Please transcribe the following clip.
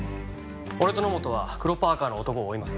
俺と野本は黒パーカの男を追います。